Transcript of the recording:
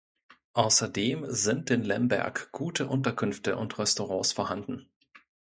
Außerdem sind in Lemberg gute Unterkünfte und Restaurants vorhanden.